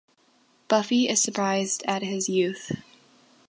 Buffy is surprised at his youth.